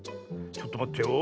ちょっとまってよ。